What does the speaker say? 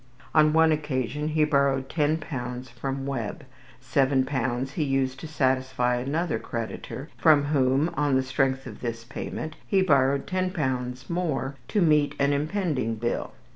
On one occasion he borrowed ten pounds from Webb. Seven pounds he used to satisfy another creditor, from whom, on the strength of this payment, he borrowed ten pounds more to meet an impending bill.